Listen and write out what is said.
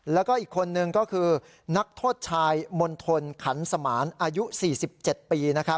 แล้วก็อีกคนนึงก็คือนักโทษชายมณฑลขันสมานอายุ๔๗ปี